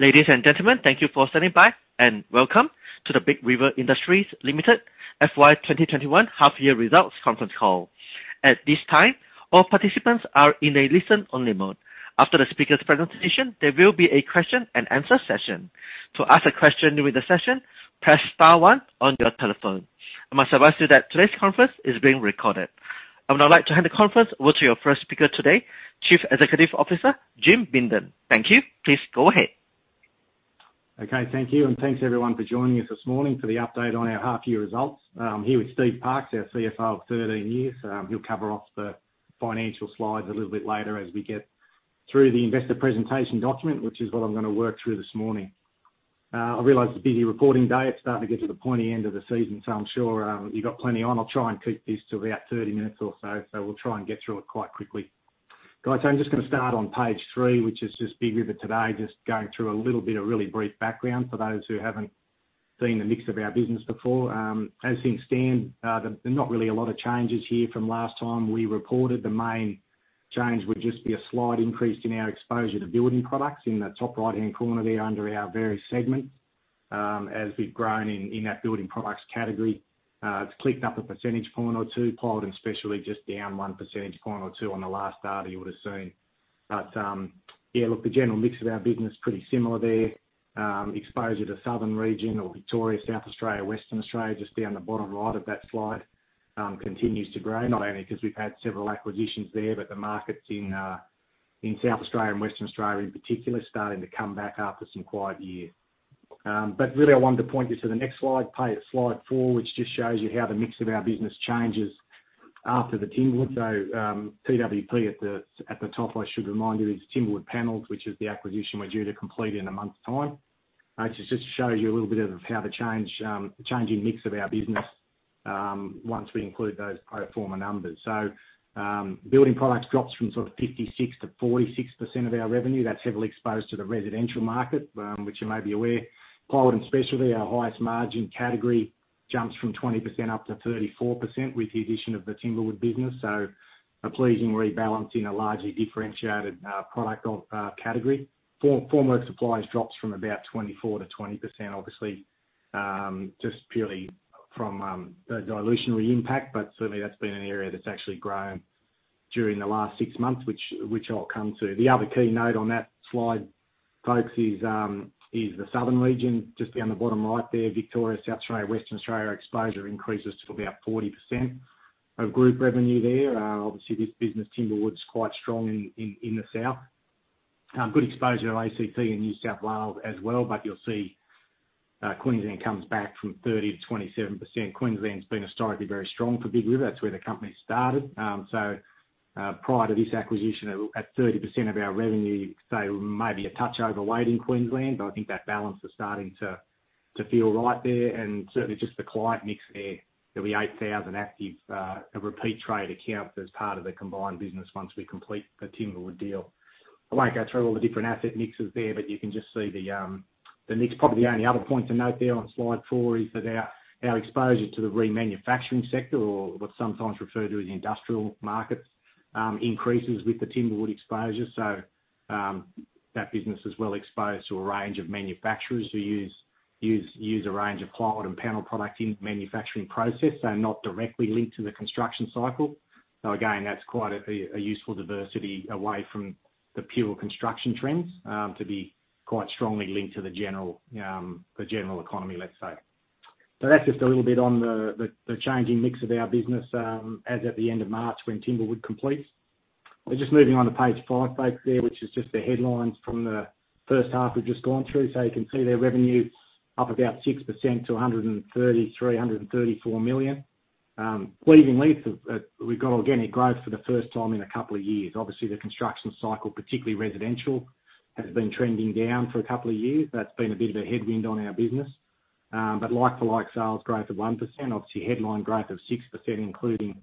Ladies and gentlemen, thank you for standing by and welcome to the Big River Industries Limited FY 2021 half-year results conference call. At this time, all participants are in a listen-only mode. After the speaker's presentation, there will be a question-and-answer session. I must advise you that today's conference is being recorded. I would now like to hand the conference over to your first speaker today, Chief Executive Officer, Jim Bindon. Thank you. Please go ahead. Okay. Thank you, and thanks everyone for joining us this morning for the update on our half-year results. I'm here with Steve Parks, our CFO of 13 years. He'll cover off the financial slides a little bit later as we get through the investor presentation document, which is what I'm going to work through this morning. I realize it's a busy reporting day. It's starting to get to the pointy end of the season. I'm sure you got plenty on. I'll try and keep this to about 30 minutes or so. We'll try and get through it quite quickly. Guys, I'm just going to start on page three, which is just Big River today, just going through a little bit of really brief background for those who haven't seen the mix of our business before. As things stand, there's not really a lot of changes here from last time we reported. The main change would just be a slight increase in our exposure to building products in the top right-hand corner there under our various segments. As we've grown in that building products category, it's clicked up a percentage point or two. Plywood and specialty just down one percentage point or two on the last data you would've seen. Look, the general mix of our business, pretty similar there. Exposure to southern region or Victoria, South Australia, Western Australia, just down the bottom right of that slide continues to grow. Not only because we've had several acquisitions there, but the markets in South Australia and Western Australia, in particular, starting to come back after some quiet years. Really I wanted to point you to the next slide four, which just shows you how the mix of our business changes after the Timberwood. TWP at the top, I should remind you, is Timberwood Panels, which is the acquisition we're due to complete in a month's time. It just shows you a little bit of how the changing mix of our business once we include those pro forma numbers. Building products drops from 56%-46% of our revenue. That's heavily exposed to the residential market, which you may be aware. plywood and specialty, our highest margin category, jumps from 20% up to 34% with the addition of the Timberwood business. A pleasing rebalance in a largely differentiated product category. Formwork supplies drops from about 24%-20%, obviously, just purely from the dilutionary impact, but certainly that's been an area that's actually grown during the last six months, which I'll come to. The other key note on that slide, folks, is the southern region, just down the bottom right there, Victoria, South Australia, Western Australia exposure increases to about 40% of group revenue there. Obviously, this business, Timberwood's quite strong in the south. Good exposure to ACT and New South Wales as well. You'll see Queensland comes back from 30%-27%. Queensland's been historically very strong for Big River. That's where the company started. Prior to this acquisition, at 30% of our revenue, you could say maybe a touch overweight in Queensland, but I think that balance is starting to feel right there and certainly just the client mix there. There'll be 8,000 active repeat trade accounts as part of the combined business once we complete the Timberwood deal. I won't go through all the different asset mixes there, but you can just see the mix. Probably the only other point to note there on slide four is that our exposure to the remanufacturing sector or what's sometimes referred to as industrial markets, increases with the Timberwood exposure. That business is well exposed to a range of manufacturers who use a range of plywood and panel products in manufacturing process, so not directly linked to the construction cycle. Again, that's quite a useful diversity away from the pure construction trends, to be quite strongly linked to the general economy, let's say. That's just a little bit on the changing mix of our business as at the end of March when Timberwood completes. We're just moving on to page five, folks there, which is just the headlines from the first half we've just gone through. You can see there revenue up about 6% to 133 million, AUD 134 million. Pleasing lease, we've got organic growth for the first time in a couple of years. Obviously, the construction cycle, particularly residential, has been trending down for a couple of years. That's been a bit of a headwind on our business. Like-for-like sales growth of 1%, obviously headline growth of 6%, including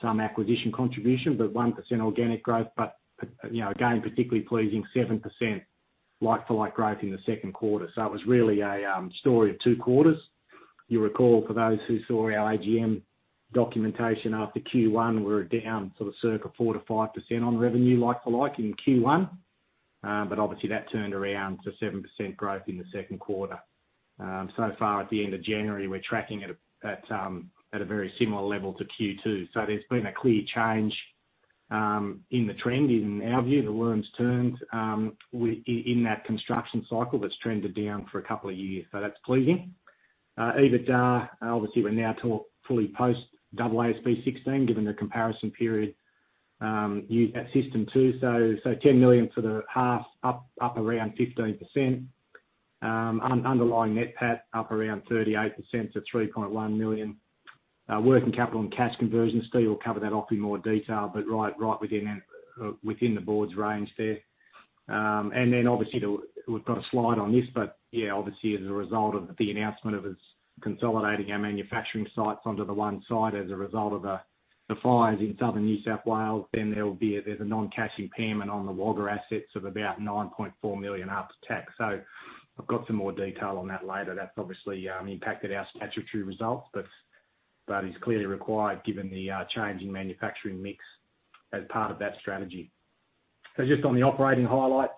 some acquisition contribution, but 1% organic growth. Again, particularly pleasing 7% like-for-like growth in the second quarter. It was really a story of two quarters. You recall for those who saw our AGM documentation after Q1, we were down sort of circa 4%-5% on revenue like for like in Q1. Obviously that turned around to 7% growth in the second quarter. Far at the end of January, we're tracking at a very similar level to Q2. There's been a clear change in the trend in our view, the worms turned in that construction cycle that's trended down for a couple of years. That's pleasing. EBITDA, obviously we're now fully post AASB 16, given the comparison period system two. 10 million for the half up around 15%, underlying net PAT up around 38% to 3.1 million. Working capital and cash conversion, Steve will cover that off in more detail, but right within the board's range there. Obviously we've got a slide on this, but obviously as a result of the announcement of us consolidating our manufacturing sites onto the one site as a result of the fires in southern New South Wales, there's a non-cash impairment on the Wagga Wagga assets of about 9.4 million after tax. I've got some more detail on that later. That's obviously impacted our statutory results, but is clearly required given the change in manufacturing mix as part of that strategy. Just on the operating highlights,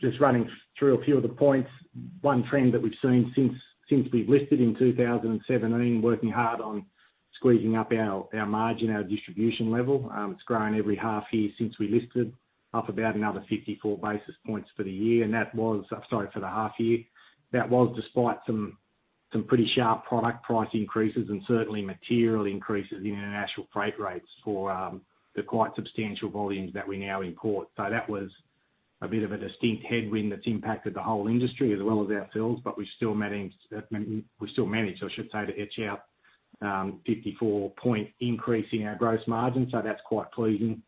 just running through a few of the points. One trend that we've seen since we've listed in 2017, working hard on squeezing up our margin, our distribution level. It's grown every half year since we listed, up about another 54 basis points for the year, Sorry, for the half year. That was despite some pretty sharp product price increases and certainly material increases in international freight rates for the quite substantial volumes that we now import. That was a bit of a distinct headwind that's impacted the whole industry as well as ourselves, but we've still managed, I should say, to edge out a 54-point increase in our gross margin. That's quite pleasing.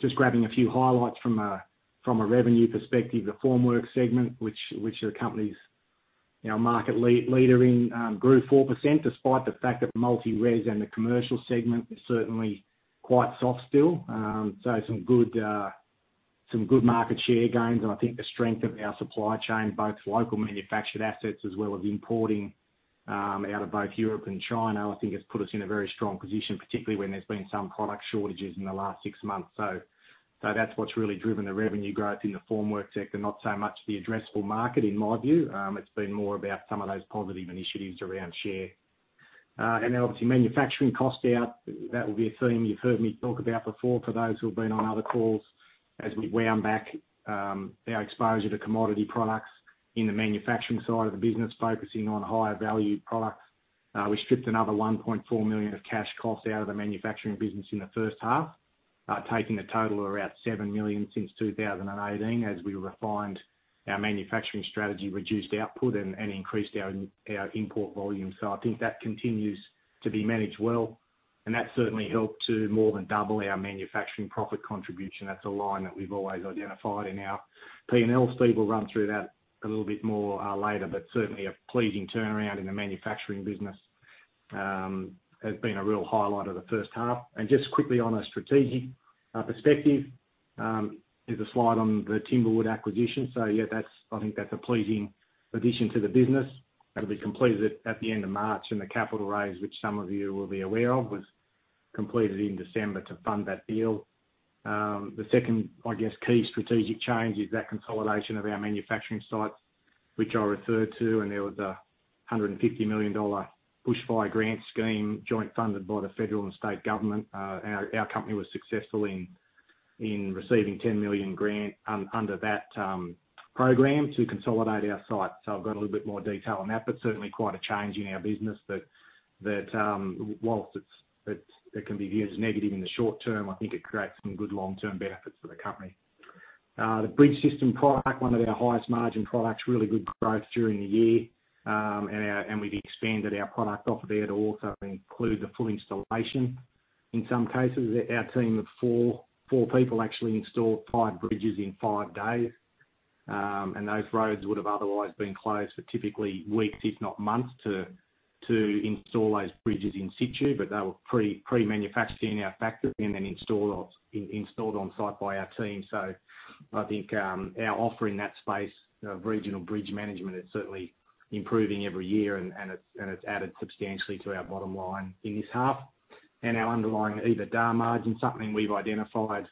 Just grabbing a few highlights from a revenue perspective. The formwork segment, which the company's market leader in, grew 4% despite the fact that multi-res and the commercial segment is certainly quite soft still. Some good market share gains, and I think the strength of our supply chain, both local manufactured assets as well as importing out of both Europe and China, I think has put us in a very strong position, particularly when there's been some product shortages in the last six months. That's what's really driven the revenue growth in the formwork sector, not so much the addressable market, in my view. It's been more about some of those positive initiatives around share. Obviously, manufacturing cost out, that will be a theme you've heard me talk about before for those who have been on other calls. As we wound back our exposure to commodity products in the manufacturing side of the business, focusing on higher value products. We stripped another 1.4 million of cash costs out of the manufacturing business in the first half, taking a total of around 7 million since 2018 as we refined our manufacturing strategy, reduced output, and increased our import volume. I think that continues to be managed well, and that certainly helped to more than double our manufacturing profit contribution. That's a line that we've always identified in our P&L. Steve will run through that a little bit more later, but certainly a pleasing turnaround in the manufacturing business has been a real highlight of the first half. Just quickly on a strategic perspective, here's a slide on the Timberwood acquisition. Yeah, I think that's a pleasing addition to the business that will be completed at the end of March, and the capital raise, which some of you will be aware of, was completed in December to fund that deal. The second, I guess, key strategic change is that consolidation of our manufacturing sites, which I referred to, and there was a 150 million dollar bushfire grant scheme, joint funded by the federal and state government. Our company was successful in receiving 10 million grant under that program to consolidate our sites. I've got a little bit more detail on that, but certainly quite a change in our business that whilst it can be viewed as negative in the short term, I think it creates some good long-term benefits for the company. The bridge system product, one of our highest margin products, really good growth during the year. We've expanded our product offer there to also include the full installation. In some cases, our team of four people actually installed five bridges in five days, and those roads would have otherwise been closed for typically weeks, if not months, to install those bridges in situ. They were pre-manufactured in our factories and then installed on-site by our team. I think our offer in that space of regional bridge management is certainly improving every year, and it's added substantially to our bottom line in this half. Our underlying EBITDA margin, something we've identified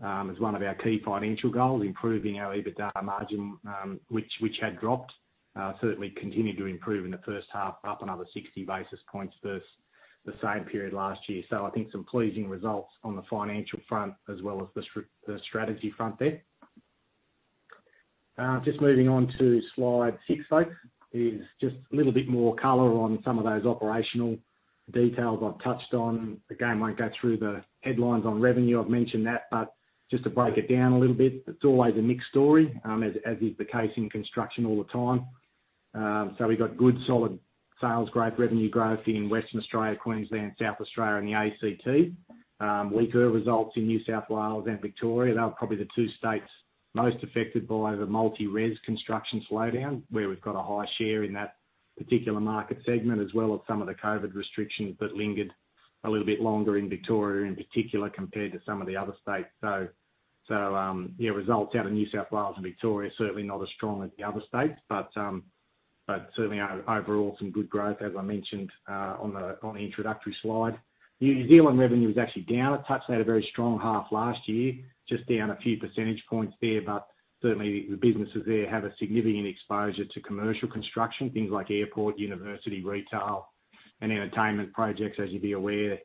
as one of our key financial goals, improving our EBITDA margin, which had dropped, certainly continued to improve in the first half, up another 60 basis points versus the same period last year. I think some pleasing results on the financial front as well as the strategy front there. Just moving on to slide six, folks, is just a little bit more color on some of those operational details I've touched on. Again, won't go through the headlines on revenue. I've mentioned that, but just to break it down a little bit, it's always a mixed story, as is the case in construction all the time. We've got good solid sales growth, revenue growth in Western Australia, Queensland, South Australia, and the ACT. Weaker results in New South Wales and Victoria. They were probably the two states most affected by the multi-res construction slowdown, where we've got a high share in that particular market segment, as well as some of the COVID restrictions that lingered a little bit longer in Victoria, in particular, compared to some of the other states. Results out of New South Wales and Victoria are certainly not as strong as the other states. Certainly, overall, some good growth, as I mentioned on the introductory slide. New Zealand revenue is actually down a touch. They had a very strong half last year, just down a few percentage points there. Certainly, the businesses there have a significant exposure to commercial construction, things like airport, university, retail, and entertainment projects. As you'd be aware,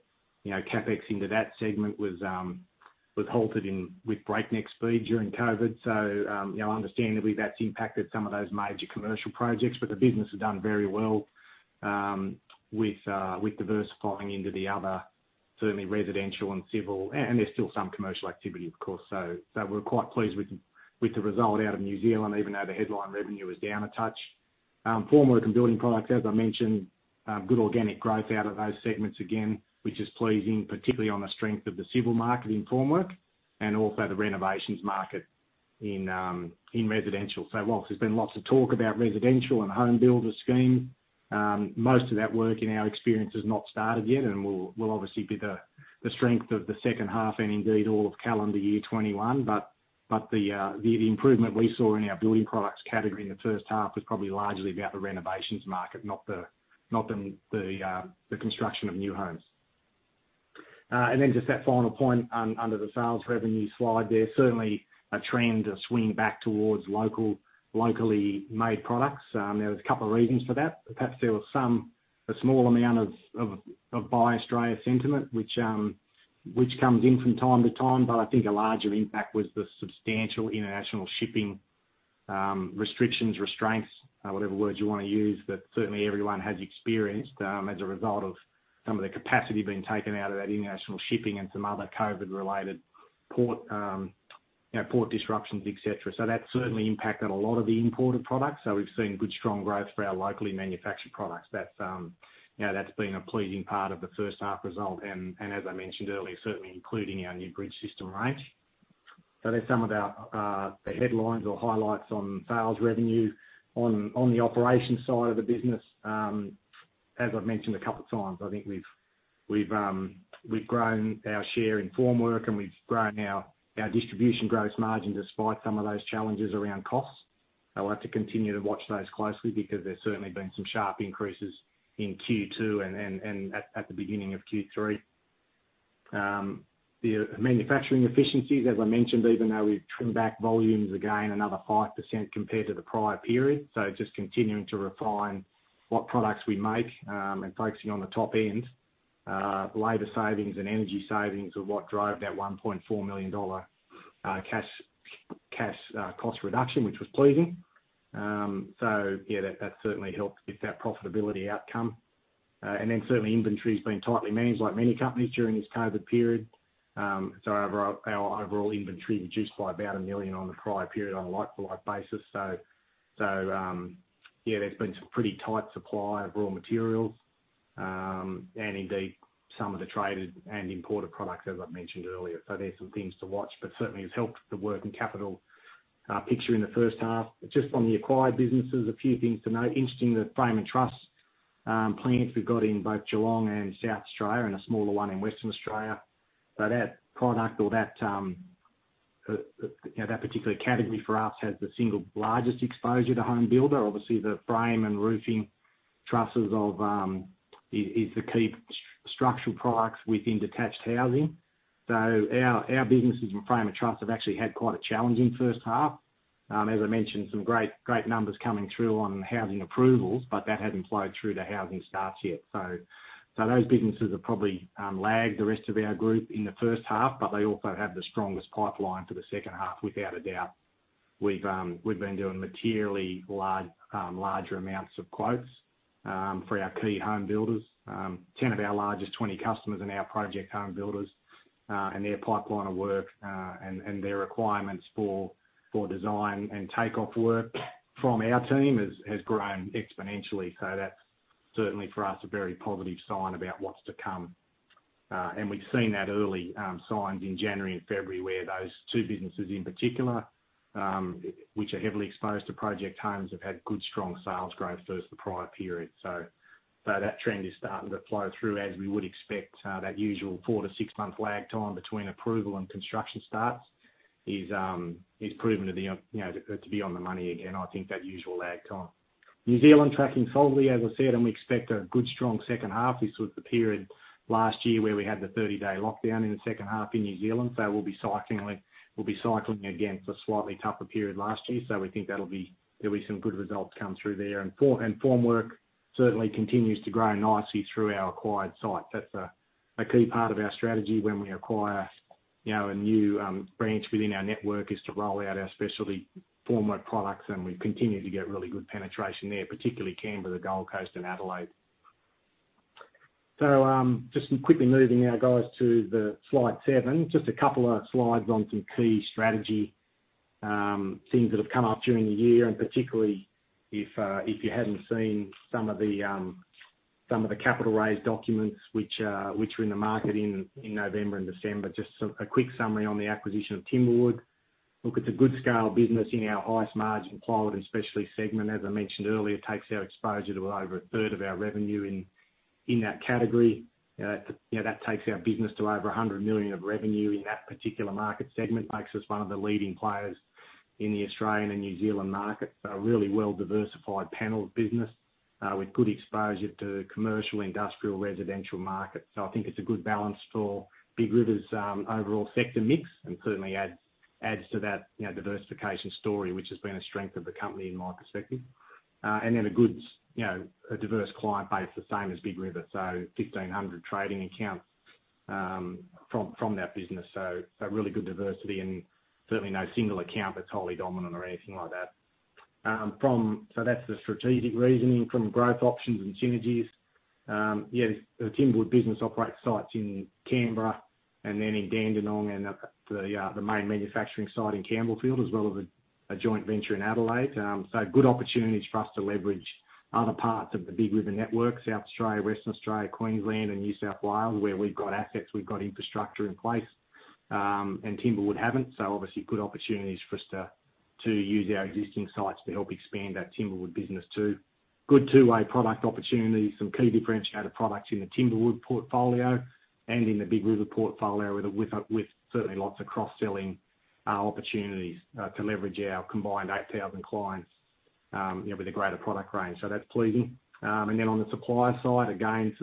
CapEx into that segment was halted with breakneck speed during COVID. Understandably, that's impacted some of those major commercial projects, but the business has done very well with diversifying into the other, certainly residential and civil, and there's still some commercial activity, of course. We're quite pleased with the result out of New Zealand, even though the headline revenue is down a touch. Formwork and building products, as I mentioned, good organic growth out of those segments again, which is pleasing, particularly on the strength of the civil market in formwork and also the renovations market in residential. Whilst there's been lots of talk about residential and HomeBuilder schemes, most of that work in our experience has not started yet, and we'll obviously be the strength of the second half, and indeed all of calendar year 2021, but the improvement we saw in our building products category in the first half was probably largely about the renovations market, not the construction of new homes. Just that final point under the sales revenue slide there. Certainly a trend, a swing back towards locally made products. There's a couple of reasons for that. Perhaps there was a small amount of Buy Australia sentiment, which comes in from time to time, but I think a larger impact was the substantial international shipping restrictions, restraints, whatever words you want to use, that certainly everyone has experienced as a result of some of the capacity being taken out of that international shipping and some other COVID-related port disruptions, etc. That's certainly impacted a lot of the imported products. We've seen good, strong growth for our locally manufactured products. That's been a pleasing part of the first half result. As I mentioned earlier, certainly including our new bridge system range. There's some of our headlines or highlights on sales revenue. On the operations side of the business, as I've mentioned a couple of times, I think we've grown our share in formwork and we've grown our distribution gross margin despite some of those challenges around costs. We'll have to continue to watch those closely because there's certainly been some sharp increases in Q2 and at the beginning of Q3. The manufacturing efficiencies, as I mentioned, even though we've trimmed back volumes again another 5% compared to the prior period, so just continuing to refine what products we make and focusing on the top end. Labor savings and energy savings are what drove that 1.4 million dollar cash cost reduction, which was pleasing. Yeah, that certainly helped get that profitability outcome. Certainly inventory's been tightly managed like many companies during this COVID period. Our overall inventory reduced by about 1 million on the prior period on a like-for-like basis. Yeah, there's been some pretty tight supply of raw materials and indeed some of the traded and imported products, as I've mentioned earlier. They're some things to watch, but certainly has helped the working capital picture in the first half. On the acquired businesses, a few things to note. Interesting, the frame and truss plants we've got in both Geelong and South Australia, and a smaller one in Western Australia. That product or that particular category for us has the single largest exposure to HomeBuilder. Obviously, the frame and roofing trusses is the key structural products within detached housing. Our businesses in frame and truss have actually had quite a challenging first half. As I mentioned, some great numbers coming through on housing approvals, but that hasn't flowed through to housing starts yet. Those businesses have probably lagged the rest of our group in the first half, but they also have the strongest pipeline for the second half without a doubt. We've been doing materially larger amounts of quotes for our key HomeBuilders. 10 of our largest 20 customers in our project HomeBuilders and their pipeline of work and their requirements for design and takeoff work from our team has grown exponentially. That's certainly for us a very positive sign about what's to come. We've seen that early signs in January and February where those two businesses in particular, which are heavily exposed to project homes, have had good, strong sales growth versus the prior period. That trend is starting to flow through as we would expect that usual four to six month lag time between approval and construction starts is proving to be on the money again. I think that usual lag time. New Zealand tracking solidly, as I said, and we expect a good, strong second half. This was the period last year where we had the 30-day lockdown in the second half in New Zealand. We'll be cycling against a slightly tougher period last year. We think there'll be some good results come through there. Formwork certainly continues to grow nicely through our acquired site. That's a key part of our strategy when we acquire a new branch within our network, is to roll out our specialty formwork products and we continue to get really good penetration there, particularly Canberra, Gold Coast and Adelaide. Just quickly moving now, guys, to the slide seven. Just a couple of slides on some key strategy themes that have come up during the year, and particularly if you hadn't seen some of the capital raise documents which were in the market in November and December. Just a quick summary on the acquisition of Timberwood. Look, it's a good scale business in our highest margin plywood and specialty segment. As I mentioned earlier, takes our exposure to over a third of our revenue in that category. That takes our business to over 100 million of revenue in that particular market segment. Makes us one of the leading players in the Australian and New Zealand market. A really well-diversified paneled business with good exposure to commercial, industrial, residential markets. I think it's a good balance for Big River's overall sector mix and certainly adds to that diversification story, which has been a strength of the company in my perspective. A diverse client base, the same as Big River. 1,500 trading accounts from that business. Really good diversity and certainly no single account that's wholly dominant or anything like that. That's the strategic reasoning from growth options and synergies. The Timberwood business operates sites in Canberra and then in Dandenong and the main manufacturing site in Campbellfield, as well as a joint venture in Adelaide. Good opportunities for us to leverage other parts of the Big River network, South Australia, Western Australia, Queensland and New South Wales, where we've got assets, we've got infrastructure in place. Timberwood haven't. Obviously, good opportunities for us to use our existing sites to help expand our Timberwood business too. Good two-way product opportunities. Some key differentiator products in the Timberwood portfolio and in the Big River portfolio, with certainly lots of cross-selling opportunities to leverage our combined 8,000 clients with a greater product range. That's pleasing. On the supply side, again,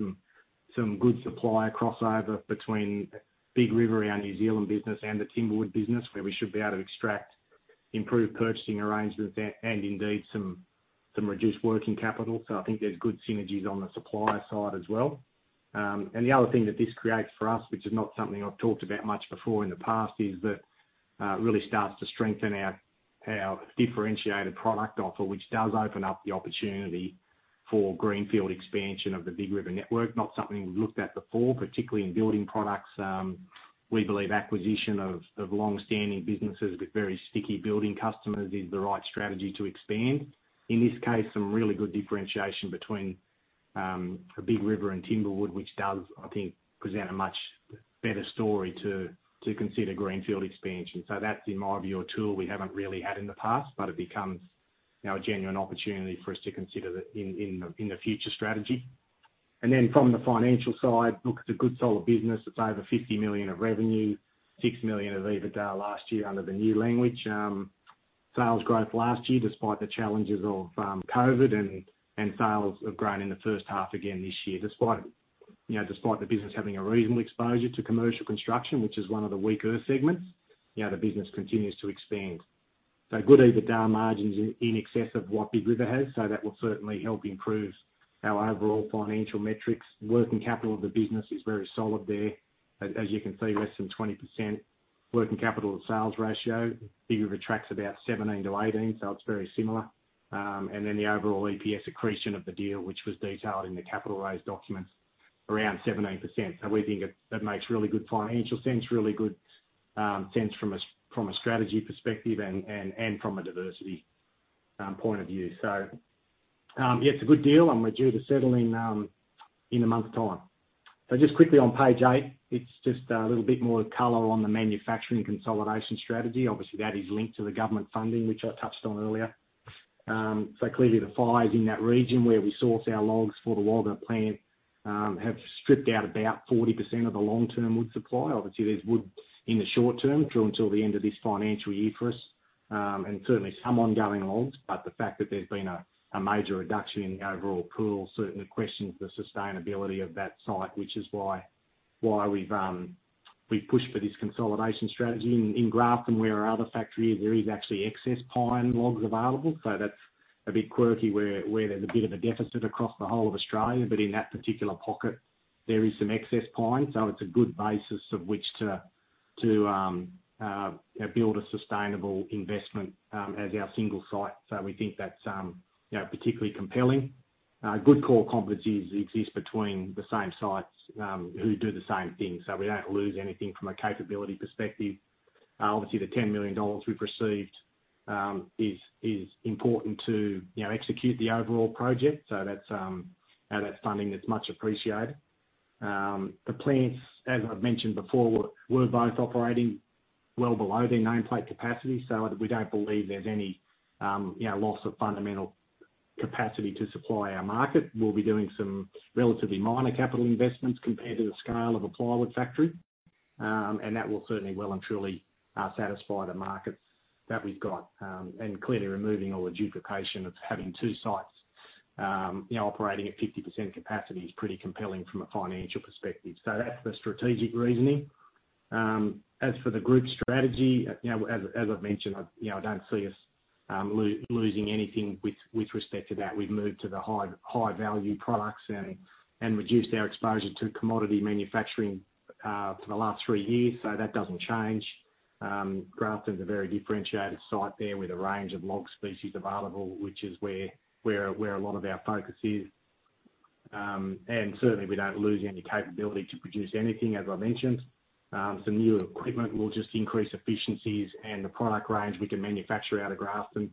some good supply crossover between Big River, our New Zealand business, and the Timberwood business, where we should be able to extract improved purchasing arrangements and indeed some reduced working capital. I think there's good synergies on the supply side as well. The other thing that this creates for us, which is not something I've talked about much before in the past, is that it really starts to strengthen our differentiated product offer, which does open up the opportunity for greenfield expansion of the Big River network. Not something we've looked at before, particularly in building products. We believe acquisition of longstanding businesses with very sticky building customers is the right strategy to expand. In this case, some really good differentiation between Big River and Timberwood, which does, I think, present a much better story to consider greenfield expansion. That's, in my view, a tool we haven't really had in the past, but it becomes now a genuine opportunity for us to consider that in the future strategy. From the financial side, look, it's a good solid business. It's over 50 million of revenue, 6 million of EBITDA last year under the new language. Sales growth last year, despite the challenges of COVID and sales have grown in the first half again this year. Despite the business having a reasonable exposure to commercial construction, which is one of the weaker segments, the business continues to expand. Good EBITDA margins in excess of what Big River has. That will certainly help improve our overall financial metrics. Working capital of the business is very solid there. As you can see, less than 20% working capital to sales ratio. Big River tracks about 17%-18%, it's very similar. The overall EPS accretion of the deal, which was detailed in the capital raise documents, around 17%. We think that makes really good financial sense, really good sense from a strategy perspective and from a diversity point of view. Yeah, it's a good deal and we're due to settle in a month's time. Just quickly on page eight, it's just a little bit more color on the manufacturing consolidation strategy. Obviously, that is linked to the government funding, which I touched on earlier. Clearly, the fires in that region where we source our logs for the Wagga plant have stripped out about 40% of the long-term wood supply. Obviously, there's wood in the short term through until the end of this financial year for us, and certainly some ongoing logs, but the fact that there's been a major reduction in the overall pool certainly questions the sustainability of that site, which is why we've pushed for this consolidation strategy. In Grafton where our other factory is, there is actually excess pine logs available. That's a bit quirky where there's a bit of a deficit across the whole of Australia. In that particular pocket, there is some excess pine, so it's a good basis of which to build a sustainable investment as our single site. We think that's particularly compelling. Good core competencies exist between the same sites who do the same thing, so we don't lose anything from a capability perspective. Obviously, the 10 million dollars we've received is important to execute the overall project. That's funding that's much appreciated. The plants, as I've mentioned before, were both operating well below their nameplate capacity. We don't believe there's any loss of fundamental capacity to supply our market. We'll be doing some relatively minor capital investments compared to the scale of a plywood factory, and that will certainly well and truly satisfy the markets that we've got. Clearly, removing all the duplication of having two sites operating at 50% capacity is pretty compelling from a financial perspective. That's the strategic reasoning. As for the group strategy, as I've mentioned, I don't see us losing anything with respect to that. We've moved to the high value products and reduced our exposure to commodity manufacturing for the last three years. That doesn't change. Grafton's a very differentiated site there with a range of log species available, which is where a lot of our focus is. Certainly, we don't lose any capability to produce anything, as I mentioned. Some new equipment will just increase efficiencies and the product range we can manufacture out of Grafton.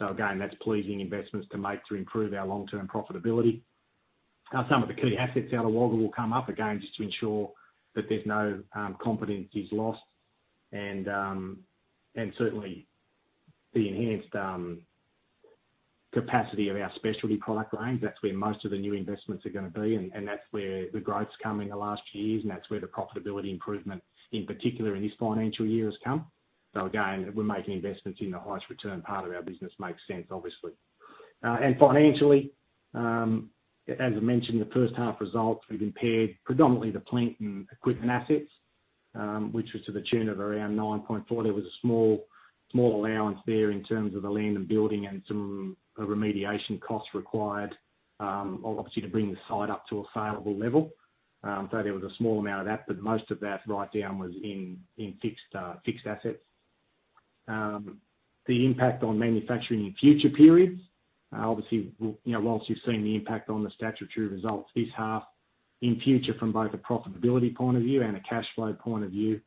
Again, that's pleasing investments to make to improve our long-term profitability. Some of the key assets out of Wagga will come up again, just to ensure that there's no competencies lost. Certainly, the enhanced capacity of our specialty product range, that's where most of the new investments are going to be and that's where the growth's come in the last years and that's where the profitability improvement, in particular in this financial year, has come. Makes sense, obviously. Financially, as I mentioned, the first half results we've impaired predominantly the plant and equipment assets, which was to the tune of around 9.4. There was a small allowance there in terms of the land and building and some remediation costs required, obviously to bring the site up to a saleable level. There was a small amount of that, but most of that write-down was in fixed assets. The impact on manufacturing in future periods, obviously whilst you've seen the impact on the statutory results this half, in future from both a profitability point of view and a cash flow point of view,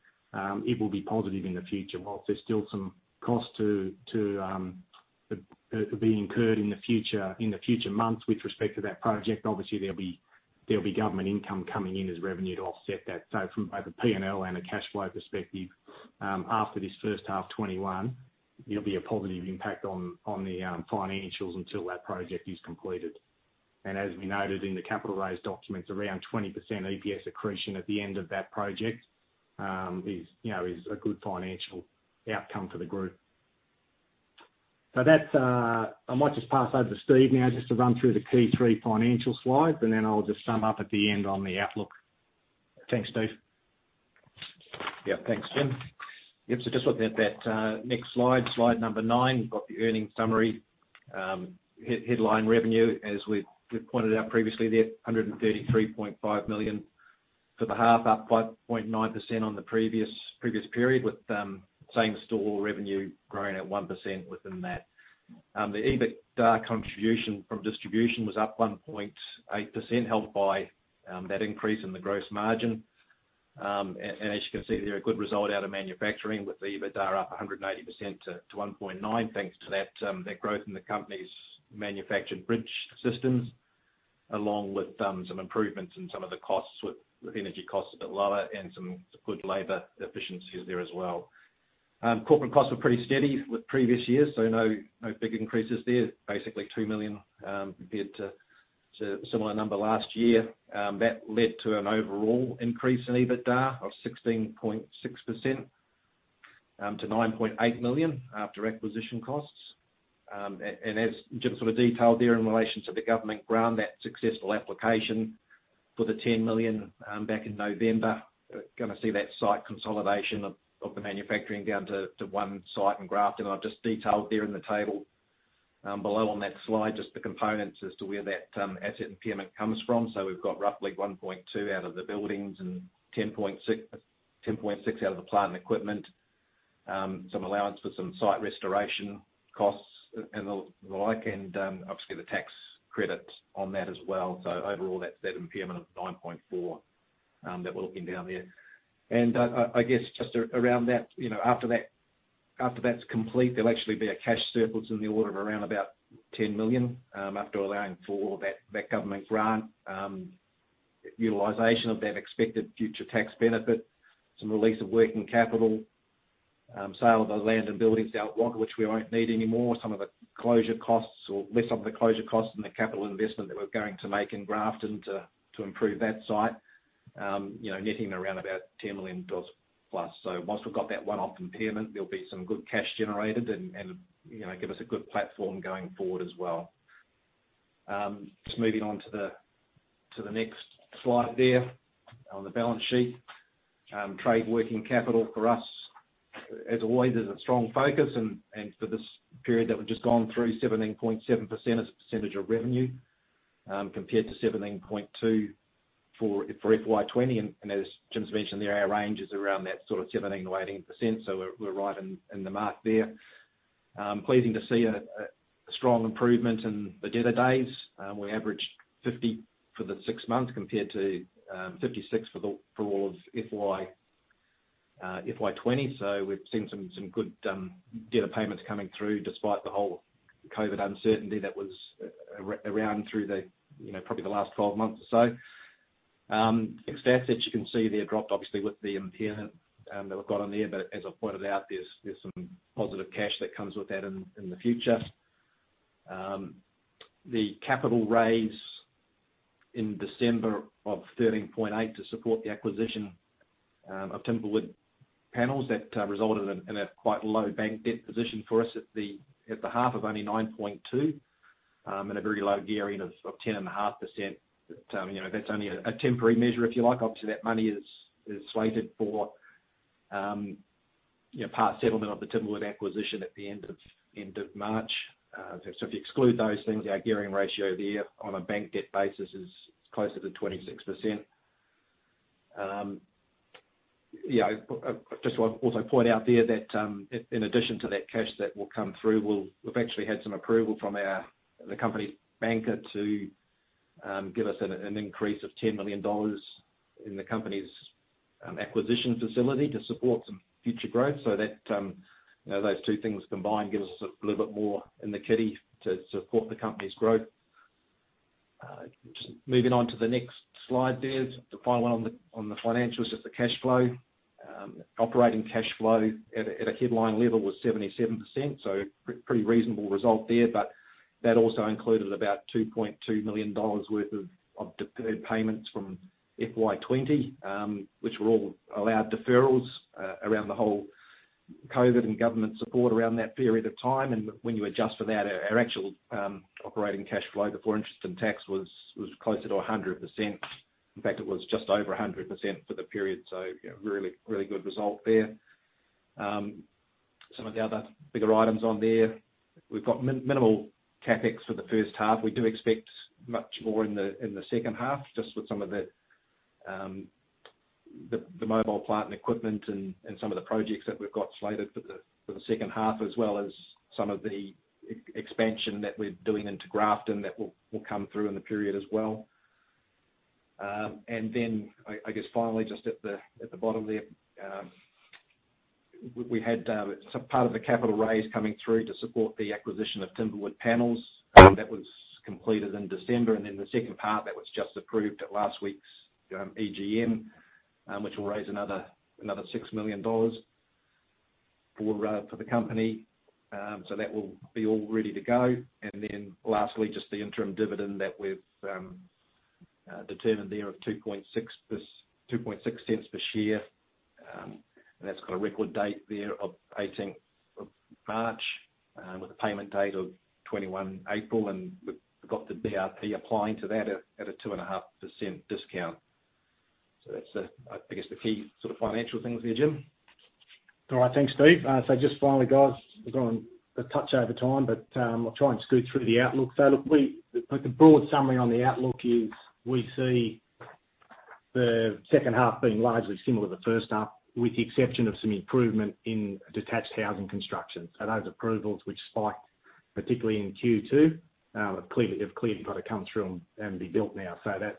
it will be positive in the future. Whilst there's still some cost to be incurred in the future months with respect to that project, obviously There'll be government income coming in as revenue to offset that. From both a P&L and a cash flow perspective, after this first half 2021, it'll be a positive impact on the financials until that project is completed. As we noted in the capital raise documents, around 20% EPS accretion at the end of that project is a good financial outcome for the group. I might just pass over to Steve now just to run through the Q3 financial slides, and then I’ll just sum up at the end on the outlook. Thanks, Steve. Yeah, thanks, Jim. Yep. Just looking at that next slide number nine. We've got the earnings summary. Headline revenue, as we've pointed out previously there, 133.5 million for the half, up 5.9% on the previous period, with same store revenue growing at 1% within that. The EBITDA contribution from distribution was up 1.8%, helped by that increase in the gross margin. As you can see there, a good result out of manufacturing with EBITDA up 180% to 1.9 million. Thanks to that growth in the company's manufactured bridge systems, along with some improvements in some of the costs, with energy costs a bit lower and some good labor efficiencies there as well. Corporate costs were pretty steady with previous years, no big increases there. Basically, 2 million compared to a similar number last year. That led to an overall increase in EBITDA of 16.6% to 9.8 million after acquisition costs. As Jim detailed there in relation to the government grant, that successful application for the 10 million back in November, gonna see that site consolidation of the manufacturing down to one site in Grafton. I've just detailed there in the table below on that slide, just the components as to where that asset impairment comes from. We've got roughly 1.2 out of the buildings and 10.6 out of the plant and equipment. Some allowance for some site restoration costs and the like, obviously the tax credits on that as well. Overall, that's that impairment of 9.4 that we're looking down there. I guess just around that, after that's complete, there'll actually be a cash surplus in the order of around 10 million, after allowing for that government grant utilization of that expected future tax benefit, some release of working capital, sale of the land and buildings Wagga Wagga, which we won't need anymore. Some of the closure costs or less of the closure costs and the capital investment that we're going to make in Grafton to improve that site. Netting around AUD 10 million+. Once we've got that one-off impairment, there'll be some good cash generated and give us a good platform going forward as well. Just moving on to the next slide there on the balance sheet. Trade working capital for us, as always, is a strong focus. For this period that we've just gone through, 17.7% as a percentage of revenue, compared to 17.2% for FY 2020. As Jim's mentioned there, our range is around that sort of 17%-18%, so we're right in the mark there. Pleasing to see a strong improvement in the debtor days. We averaged 50 for the six months compared to 56 for all of FY 2020. We've seen some good debtor payments coming through despite the whole COVID uncertainty that was around through probably the last 12 months or so. Fixed assets, you can see there dropped obviously with the impairment that we've got on there, but as I pointed out, there's some positive cash that comes with that in the future. The capital raise in December of 13.8 to support the acquisition of Timberwood Panels that resulted in a quite low bank debt position for us at the half of only 9.2, and a very low gearing of 10.5%. That's only a temporary measure if you like. Obviously, that money is slated for part settlement of the Timberwood acquisition at the end of March. If you exclude those things, our gearing ratio there on a bank debt basis is closer to 26%. I just want to also point out there that in addition to that cash that will come through, we've actually had some approval from the company's banker to give us an increase of 10 million dollars in the company's acquisition facility to support some future growth. Those two things combined give us a little bit more in the kitty to support the company's growth. Just moving on to the next slide there. The final one on the financials is the cash flow. Operating cash flow at a headline level was 77%, so pretty reasonable result there, but that also included about 2.2 million dollars worth of deferred payments from FY 2020, which were all allowed deferrals around the whole COVID and government support around that period of time. When you adjust for that, our actual operating cash flow before interest and tax was closer to 100%. In fact, it was just over 100% for the period, so really good result there. Some of the other bigger items on there. We've got minimal CapEx for the first half. We do expect much more in the second half, just with some of the mobile plant and equipment and some of the projects that we've got slated for the second half, as well as some of the expansion that we're doing into Grafton that will come through in the period as well. I guess finally, just at the bottom there. We had some part of the capital raise coming through to support the acquisition of Timberwood Panels. That was completed in December, the second part that was just approved at last week's EGM, which will raise another 6 million dollars for the company. That will be all ready to go. Lastly, just the interim dividend that we've determined there of 0.026 per share. That's got a record date there of 18th of March, with a payment date of 21st April. We've got the DRP applying to that at a 2.5% discount. That's, I guess, the key financial things there, Jim. All right. Thanks, Steve. Just finally, guys, we've gone a touch over time, but I'll try and scoot through the outlook. Look, the broad summary on the outlook is we see the second half being largely similar to the first half, with the exception of some improvement in detached housing construction. Those approvals, which spiked, particularly in Q2, have clearly got to come through and be built now. That's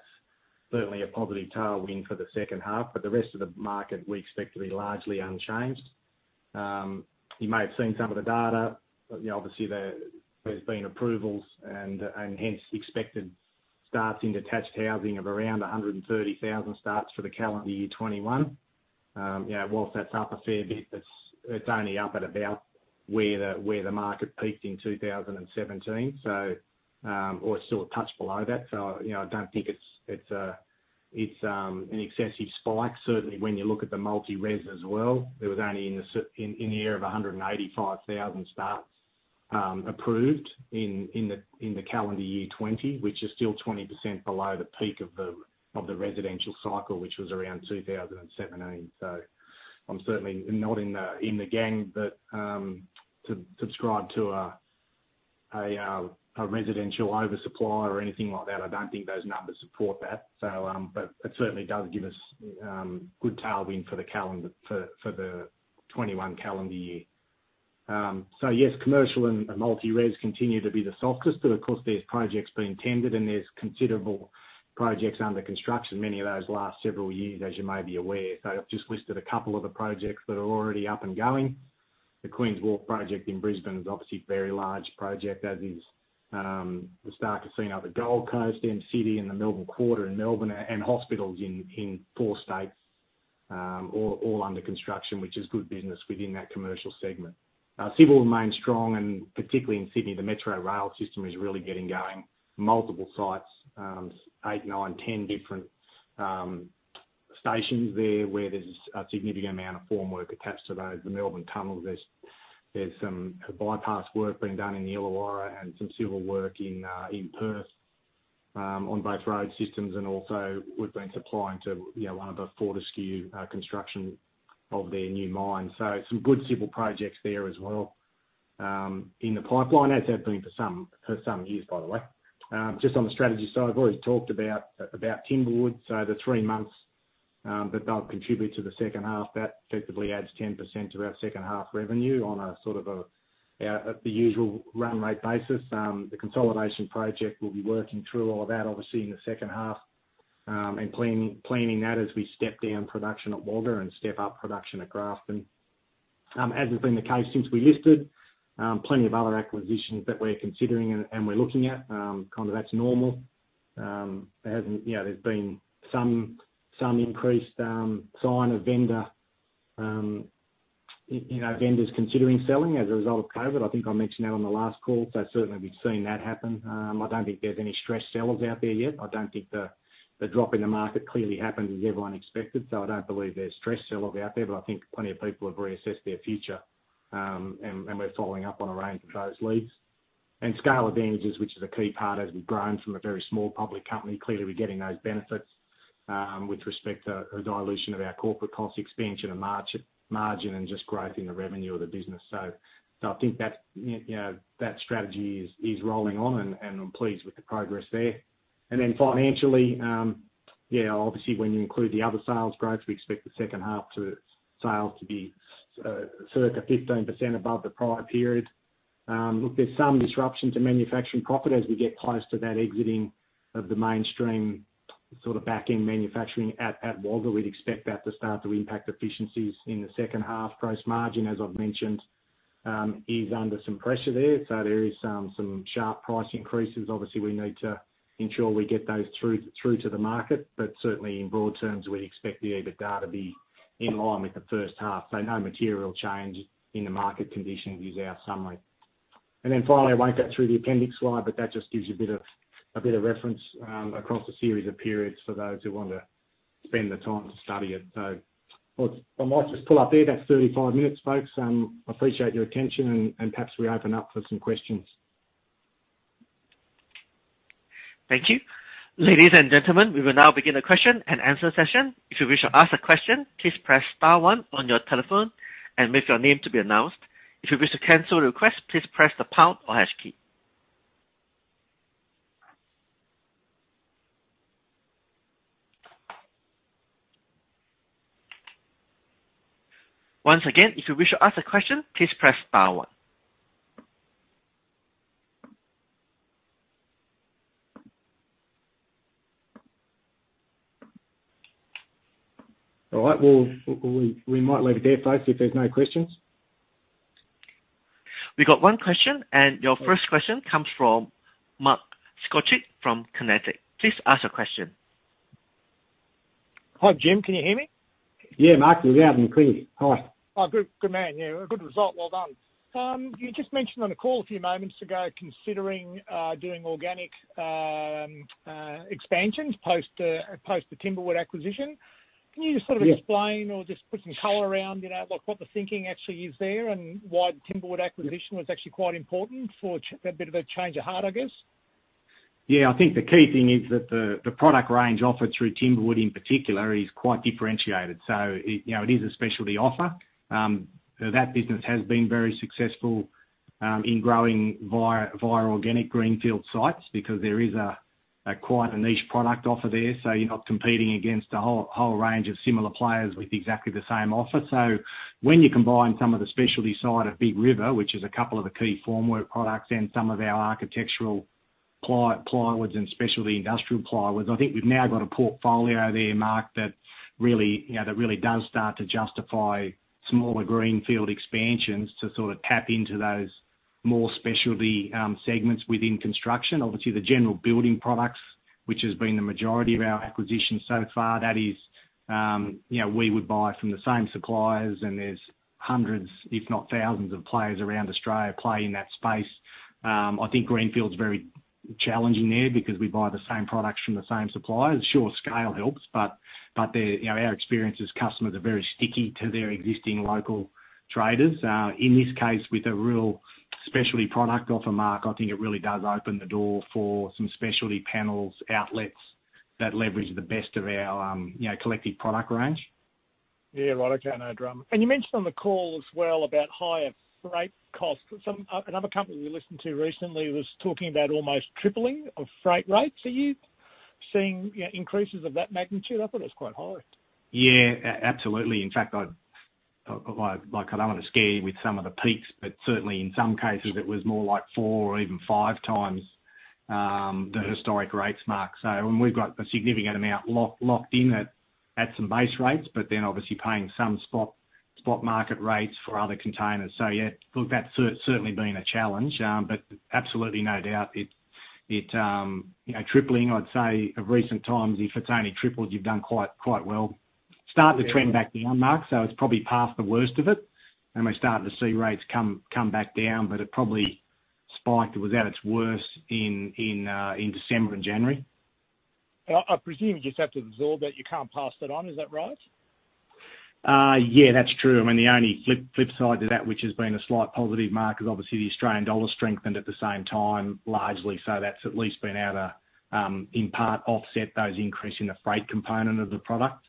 certainly a positive tailwind for the second half. The rest of the market, we expect to be largely unchanged. You may have seen some of the data, obviously there's been approvals and hence expected starts in detached housing of around 130,000 starts for the calendar year 2021. Whilst that's up a fair bit, it's only up at about where the market peaked in 2017. It's still a touch below that. I don't think it's an excessive spike. Certainly, when you look at the multi-res as well, there was only in the area of 185,000 starts approved in the calendar year 2020, which is still 20% below the peak of the residential cycle, which was around 2017. I'm certainly not in the gang that subscribe to a residential oversupply or anything like that. I don't think those numbers support that. It certainly does give us good tailwind for the 2021 calendar year. Yes, commercial and multi-res continue to be the softest, but of course, there's projects being tendered and there's considerable projects under construction. Many of those last several years, as you may be aware. I've just listed a couple of the projects that are already up and going. The Queen's Wharf project in Brisbane is obviously a very large project, as is the Star Casino, the Gold Coast, and city and the Melbourne Quarter in Melbourne, and hospitals in four states, all under construction, which is good business within that commercial segment. Civil remains strong, particularly in Sydney, the Metro Rail System is really getting going, multiple sites, eight, nine, 10 different stations there where there's a significant amount of formwork attached to those. The Melbourne Tunnel. There's some bypass work being done in the Illawarra and some civil work in Perth on both road systems. We've been supplying to one of the Fortescue construction of their new mine. Some good civil projects there as well in the pipeline, as they've been for some years, by the way. On the strategy side, I've already talked about Timberwood. The three months that they'll contribute to the second half, that effectively adds 10% to our second half revenue on a sort of a usual run rate basis. The consolidation project, we'll be working through all of that, obviously in the second half, and planning that as we step down production at Wagga and step up production at Grafton. As has been the case since we listed, plenty of other acquisitions that we're considering and we're looking at. Kind of that's normal. There's been some increased sign of vendors considering selling as a result of COVID. I think I mentioned that on the last call. Certainly, we've seen that happen. I don't think there's any stressed sellers out there yet. I don't think the drop in the market clearly happened as everyone expected, so I don't believe there's stressed sellers out there. I think plenty of people have reassessed their future, and we're following up on a range of those leads. Scale advantages, which is a key part as we've grown from a very small public company. Clearly, we're getting those benefits, with respect to a dilution of our corporate cost expansion and margin, and just growth in the revenue of the business. I think that strategy is rolling on, and I'm pleased with the progress there. Then financially, obviously, when you include the other sales growth, we expect the second half sales to be circa 15% above the prior period. Look, there's some disruption to manufacturing profit as we get close to that exiting of the mainstream back-end manufacturing at Wagga Wagga. We'd expect that to start to impact efficiencies in the second half. Gross margin, as I've mentioned, is under some pressure there. There is some sharp price increases. Obviously, we need to ensure we get those through to the market. Certainly, in broad terms, we expect the EBITDA to be in line with the first half. No material change in the market conditions is our summary. Finally, I won't go through the appendix slide, but that just gives you a bit of reference across a series of periods for those who want to spend the time to study it. I might just pull up there. That's 35 minutes, folks. I appreciate your attention, and perhaps we open up for some questions. Thank you. Ladies and gentlemen, we will now begin the question-and-answer session. If you wish to ask a question, please press star one on your telephone and with your name to be announced. If you wish to cancel the request, please press the pound or hash key. Once again, if you wish to ask a question, please press star one All right. Well, we might leave it there, folks, if there's no questions. We got one question, and your first question comes from Mark Skocic from Kinetic. Please ask your question. Hi, Jim. Can you hear me? Yeah, Mark. Loud and clear. Hi. Oh, good man. Yeah, good result. Well done. You just mentioned on the call a few moments ago, considering doing organic expansions post the Timberwood acquisition. Can you just sort of explain or just put some color around what the thinking actually is there and why the Timberwood acquisition was actually quite important for a bit of a change of heart, I guess? I think the key thing is that the product range offered through Timberwood, in particular, is quite differentiated. It is a specialty offer. That business has been very successful in growing via organic greenfield sites because there is quite a niche product offer there. You're not competing against a whole range of similar players with exactly the same offer. When you combine some of the specialty side of Big River, which is a couple of the key formwork products and some of our architectural plywoods and specialty industrial plywoods. I think we've now got a portfolio there, Mark, that really does start to justify smaller greenfield expansions to sort of tap into those more specialty segments within construction. Obviously, the general building products, which has been the majority of our acquisitions so far, that is, we would buy from the same suppliers, and there's hundreds, if not thousands of players around Australia play in that space. I think greenfield's very challenging there because we buy the same products from the same suppliers. Scale helps, but our experience is customers are very sticky to their existing local traders. In this case, with a real specialty product offer, Mark, I think it really does open the door for some specialty panels outlets that leverage the best of our collective product range. Yeah. Right. Okay, no drama. You mentioned on the call as well about higher freight costs. Another company we listened to recently was talking about almost tripling of freight rates. Are you seeing increases of that magnitude? I thought it was quite high. Absolutely. In fact, I don't want to scare you with some of the peaks, but certainly in some cases it was more like four or even five times the historic rates, Mark. We've got a significant amount locked in at some base rates, but then obviously paying some spot market rates for other containers. That's certainly been a challenge. Absolutely no doubt it, tripling, I'd say of recent times, if it's only tripled, you've done quite well. Starting to trend back down, Mark, so it's probably past the worst of it, and we're starting to see rates come back down, but it probably spiked. It was at its worst in December and January. I presume you just have to absorb that. You can't pass that on. Is that right? Yeah, that's true. I mean, the only flip side to that, which has been a slight positive, Mark, is obviously the Australian dollar strengthened at the same time, largely so. That's at least been able to, in part, offset those increases in the freight component of the product.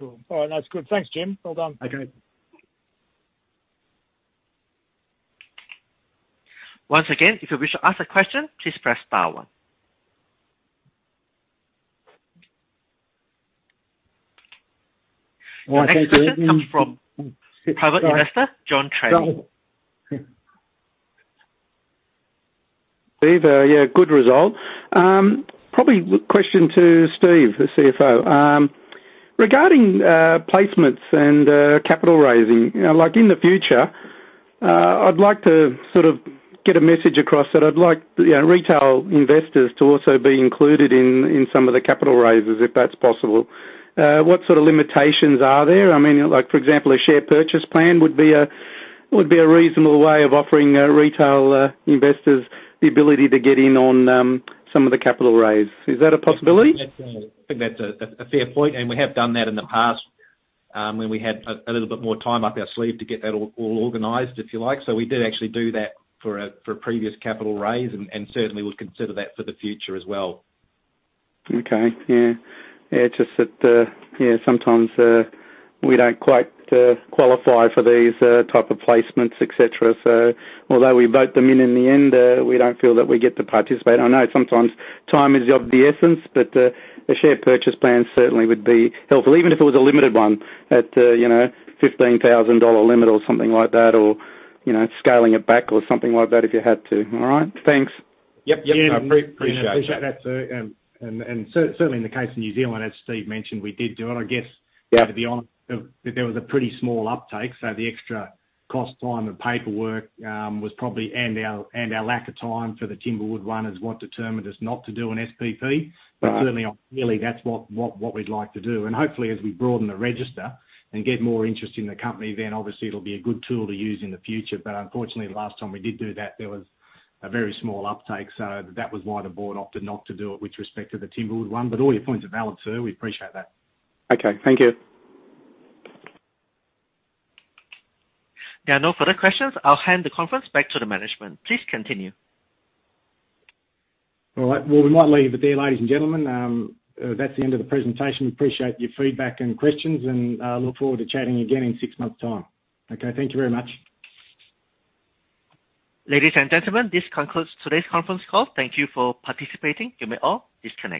Right. Cool. All right. That's good. Thanks, Jim. Well done. Okay. Once again, if you wish to ask a question, please press star one. The next question comes from private investor John Lorente. Steve, yeah, good result. Probably question to Steve, the CFO. Regarding placements and capital raising, like in the future, I'd like to sort of get a message across that I'd like retail investors to also be included in some of the capital raises, if that's possible. What sort of limitations are there? I mean, for example, a share purchase plan would be a reasonable way of offering retail investors the ability to get in on some of the capital raise. Is that a possibility? I think that's a fair point, we have done that in the past, when we had a little bit more time up our sleeve to get that all organized, if you like. We did actually do that for a previous capital raise and certainly would consider that for the future as well. Okay. Yeah. Yeah, just that, yeah, sometimes, we don't quite qualify for these type of placements, etc. Although we vote them in in the end, we don't feel that we get to participate. I know sometimes time is of the essence, but a share purchase plan certainly would be helpful. Even if it was a limited one at an 15,000 dollar limit or something like that, or scaling it back or something like that if you had to. All right. Thanks. Yep. Yep. I appreciate that. Certainly in the case of New Zealand, as Steve mentioned, we did do it to be honest, that there was a pretty small uptake, so the extra cost, time, and paperwork was probably, and our lack of time for the Timberwood one is what determined us not to do an SPP. Certainly, really that's what we'd like to do. Hopefully, as we broaden the register and get more interest in the company, then obviously it'll be a good tool to use in the future. Unfortunately, last time we did do that, there was a very small uptake. That was why the board opted not to do it with respect to the Timberwood one. All your points are valid, sir. We appreciate that. Okay. Thank you. There are no further questions. I'll hand the conference back to the management. Please continue. All right. Well, we might leave it there, ladies and gentlemen. That's the end of the presentation. We appreciate your feedback and questions, and I look forward to chatting again in six months' time. Okay, thank you very much. Ladies and gentlemen, this concludes today's conference call. Thank you for participating. You may all disconnect.